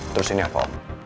terus ini apa